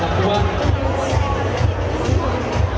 แต่ว่า